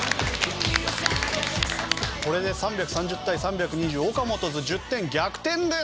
これで３３０対３２０ＯＫＡＭＯＴＯ’Ｓ１０点逆転です。